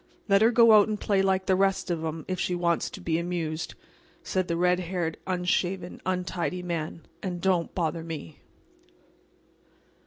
"Let her go out and play like the rest of 'em if she wants to be amused," said the red haired, unshaven, untidy man, "and don't bother me."